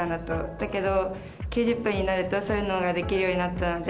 だけど、９０分になるとそういうのができるようになったので。